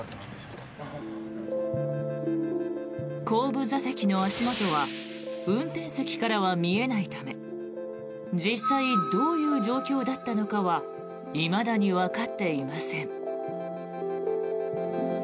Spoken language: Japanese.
後部座席の足元は運転席からは見えないため実際どういう状況だったのかはいまだにわかっていません。